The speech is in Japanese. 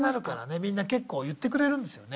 みんな結構言ってくれるんですよね